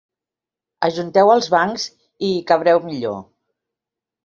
Ajunteu els bancs i hi cabreu millor.